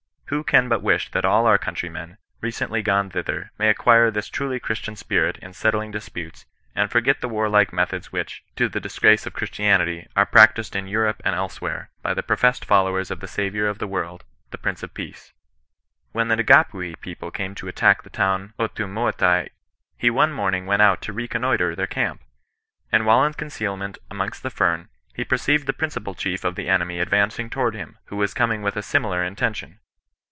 Who can but wish that all our countrymen, recently gone thither, may acquire this truly Christian spirit in settling disputes, and for get the warlike methods which, to the disgrace of Chris tianity, are practised in Europe and elsewhere, by the professed followers of the Saviour of the world, the J^/ince of Peace? CHRISTIAN NON BESISTASGS. 115 'Wiieu UiftiSJgapulu people came to attack the town of the Otumoetai cmef, 1^ onfiTnonMBg went mit to racon noitre their camp ; and while in concealment amongst the fern, he perceived the principal chief of the enemy advancing towards him, wno was coming with a simUar intention.